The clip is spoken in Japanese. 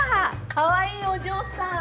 かわいいお嬢さん。